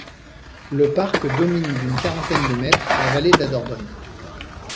Le parc domine d'une quarantaine de mètres la vallée de la Dordogne.